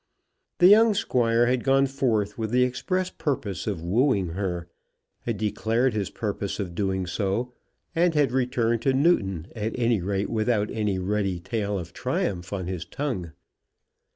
The young Squire had gone forth with the express purpose of wooing her, had declared his purpose of doing so, and had returned to Newton at any rate without any ready tale of triumph on his tongue.